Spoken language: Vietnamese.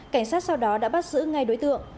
cảnh sát sau đó đã bắt giữ ngay đối tượng